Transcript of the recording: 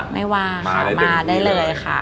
ไม่ว่างมาได้เลยค่ะ